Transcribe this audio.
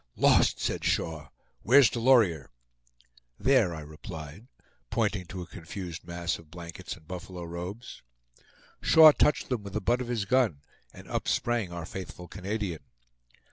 "Lost!" said Shaw. "Where's Delorier?" "There," I replied, pointing to a confused mass of blankets and buffalo robes. Shaw touched them with the butt of his gun, and up sprang our faithful Canadian.